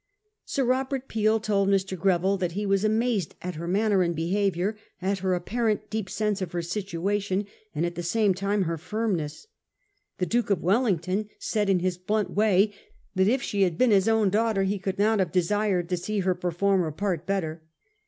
Sir Eobert Peel told Mr. Greville that he was amazed at ' her manner and behaviour, at her appa rent deep sense of her situation, and at the same time her firmness.' The Duke of Wellington said in his blunt way that if she had been his own daughter he could not have desired to see her perform her part better.